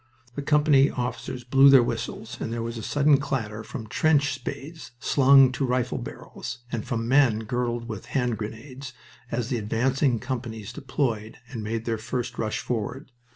The company officers blew their whistles, and there was a sudden clatter from trench spades slung to rifle barrels, and from men girdled with hand grenades, as the advancing companies deployed and made their first rush forward.